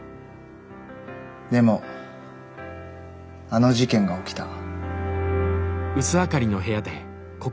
でもあの事件が起きた。